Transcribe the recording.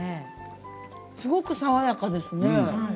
すごく爽やかですね。